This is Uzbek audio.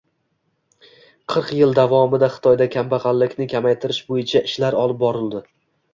Qirq yil davomida Xitoyda kambag‘allikni kamaytirish bo‘yicha ishlar olib borildi.